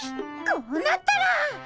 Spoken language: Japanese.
こうなったら。